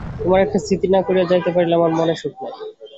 তোমার একটা স্থিতি না করিয়া যাইতে পারিলে আমার মনে সুখ নাই।